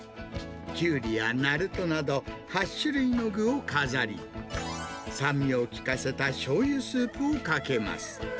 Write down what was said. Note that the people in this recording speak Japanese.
キュウリやナルトなど８種類の具を飾り、酸味を効かせたしょうゆスープをかけます。